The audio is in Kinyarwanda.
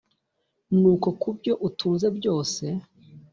no ku byo utunze byose.